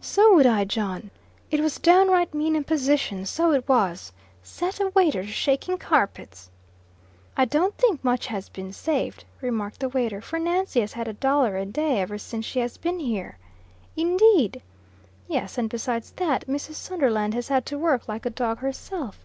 "So would I, John. It was downright mane imposition, so it was. Set a waiter to shaking carpets!" "I don't think much has been saved," remarked the waiter, "for Nancy has had a dollar a day ever since she has been here." "Indade!" "Yes; and besides that, Mrs. Sunderland has had to work like a dog herself.